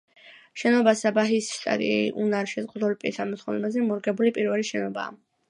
შენობა საბაჰის შტატში უნარ შეზღუდულ პირთა მოთხოვნებზე მორგებული პირველი შენობაა.